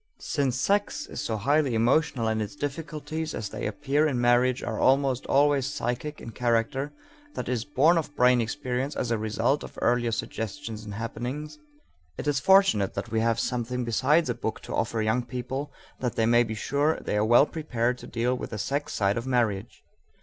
Since sex is so highly emotional and its difficulties as they appear in marriage are almost always psychic in character that is, born of brain experience as a result of earlier suggestions and happenings it is fortunate that we have something besides a book to offer young people that they may be sure they are well prepared to deal with the sex side of marriage.